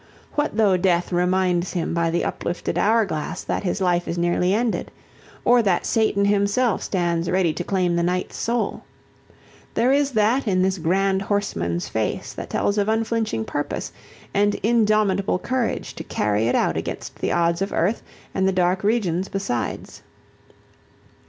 What though Death reminds him by the uplifted hourglass that his life is nearly ended? or that Satan himself stands ready to claim the Knight's soul? There is that in this grand horseman's face that tells of unflinching purpose and indomitable courage to carry it out against the odds of earth and the dark regions besides.